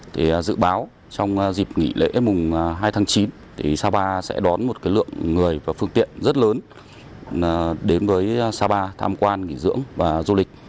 trong dịp nghỉ lễ mùng hai tháng chín sapa sẽ đón một lượng người và phương tiện rất lớn đến với sapa tham quan nghỉ dưỡng và du lịch